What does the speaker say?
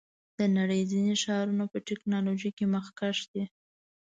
د نړۍ ځینې ښارونه په ټیکنالوژۍ کې مخکښ دي.